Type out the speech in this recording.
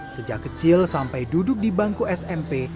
sejak kecil sampai duduk di bangku smp